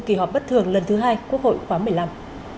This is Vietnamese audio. kỳ họp bất thường lần thứ hai quốc hội khóa một mươi năm